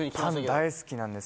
大好きなんです